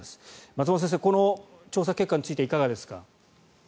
松本先生、この調査結果についていかがですか。